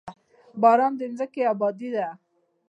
باران د ځمکې ابادي ده.